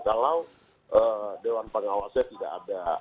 kalau dewan pengawasnya tidak ada